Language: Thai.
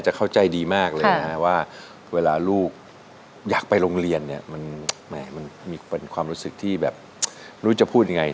เข้าใจดีมากเลยนะว่าเวลาลูกอยากไปโรงเรียนเนี่ยมันมีความรู้สึกที่แบบไม่รู้จะพูดยังไง